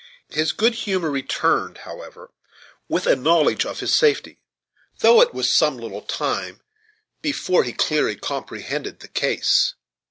His good humor returned, however, with a knowledge of his safety, though it was some little time before he clearly comprehended the case.